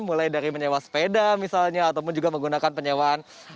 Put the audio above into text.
mulai dari menyewa sepeda misalnya ataupun juga menggunakan penyewaan